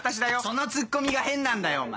そのツッコミが変なんだよお前！